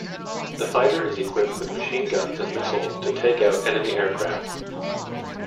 The fighter is equipped with machine guns and missiles to take out enemy aircraft.